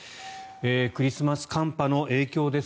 クリスマス寒波の影響です。